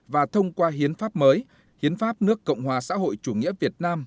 và thông qua hiến pháp mới hiến pháp nước cộng hòa xã hội chủ nghĩa việt nam